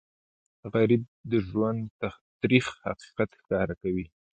غریب د ژوند تریخ حقیقت ښکاره کوي